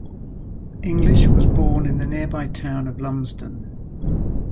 English was born in the nearby town of Lumsden.